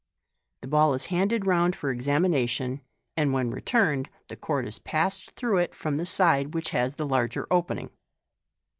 The ball is handed round for exa mination, and, when returned, the cord is passed through it from the side which has the larger opening.